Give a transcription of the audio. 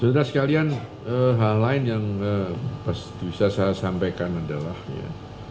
saudara sekalian hal lain yang bisa saya sampaikan adalah ya